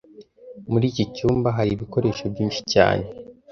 Muri iki cyumba hari ibikoresho byinshi cyane